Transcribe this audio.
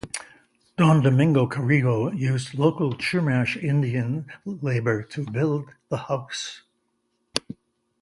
Don Domingo Carrillo used local Chumash Indians labor to build the house.